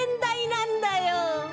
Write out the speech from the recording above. なんだよ！